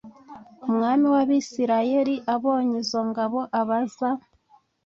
umwami w abisirayeli abonye izo ngabo abaza